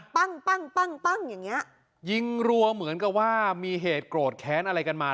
ปั้งปั้งปั้งปั้งอย่างเงี้ยยิงรัวเหมือนกับว่ามีเหตุโกรธแค้นอะไรกันมา